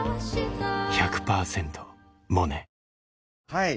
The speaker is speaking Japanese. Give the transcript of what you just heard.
はい。